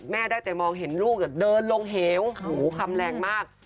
ได้แต่มองเห็นลูกเดินลงเหวหูคำแรงมาก